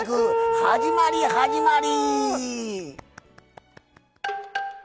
始まり、始まり！